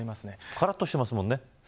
からっとしてますもんね。